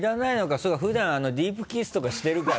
そうか普段ディープキスとかしてるから。